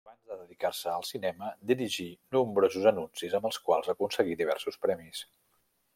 Abans de dedicar-se al cinema dirigí nombrosos anuncis amb els quals aconseguí diversos premis.